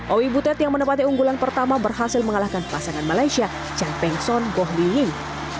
owi butet yang menempatkan unggulan pertama berhasil mengalahkan pasangan malaysia champeng son gohli ying